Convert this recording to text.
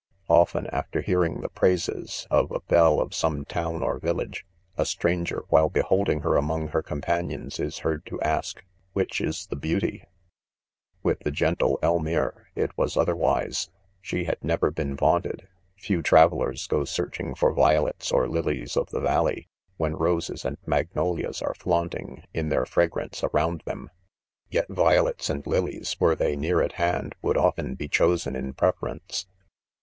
Often, after : hearing the praises of a belle of some town or THE CONFESSIONS. 125 village, a stranger, while beholding her among her companions, is heard to ask, "which is the beauty 1" 6 With the gentle Elmire it was otherwise. She had never been vaunted. Few travellers go searching for violets or lilies of the valley, when roses and magnolias are flaunting, in their fragrance, around them j yet violets and lilies, were they near at hand, would often be chosen in preference.